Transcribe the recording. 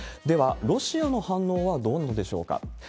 では、ロシアの反応はどうなんでしょうか。